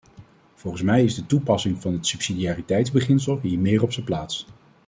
Volgens mij is de toepassing van het subsidiariteitsbeginsel hier meer op zijn plaats.